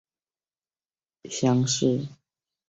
乡试第四。